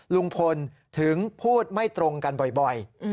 ลุงพลถึงพูดไม่ตรงกันบ่อย